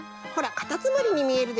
かたつむりにみえるでしょ。